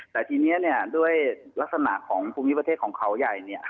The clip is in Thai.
แต่ทีนี้ด้วยลักษณะของภูมิประเทศของเขาใหญ่